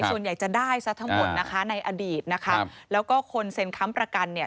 ส่วนใหญ่จะได้ซะทั้งหมดนะคะในอดีตนะคะแล้วก็คนเซ็นค้ำประกันเนี่ย